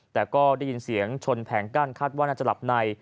แต่ก็ได้ยินเสียงชนแผงกั้นคาดว่าน่าจะหลับใน